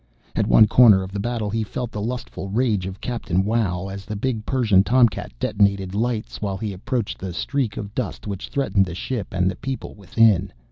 At one corner of the battle, he felt the lustful rage of Captain Wow as the big Persian tomcat detonated lights while he approached the streak of dust which threatened the ship and the people within.